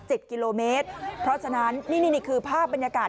เจ็ดกิโลเมตรเพราะฉะนั้นนี่คือภาพบรรยากาศ